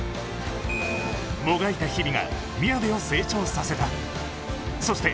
もがいた日々が、宮部を成長させたそして、